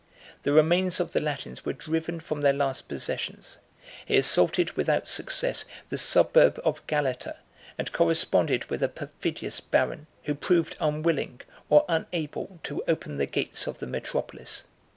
The remains of the Latins were driven from their last possessions: he assaulted without success the suburb of Galata; and corresponded with a perfidious baron, who proved unwilling, or unable, to open the gates of the metropolis.